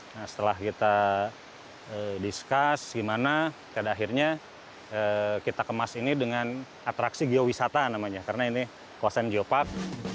nah setelah kita discuss gimana dan akhirnya kita kemas ini dengan atraksi geowisata namanya karena ini kawasan geopark